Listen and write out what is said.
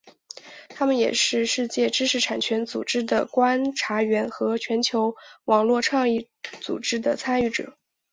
他们也是世界知识产权组织的观察员和全球网络倡议组织的参与者。